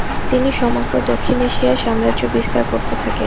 তিনি সমগ্র দক্ষিণ এশিয়ায় সাম্রাজ্য বিস্তার করতে থাকেন।